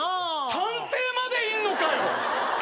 探偵までいんのかよ！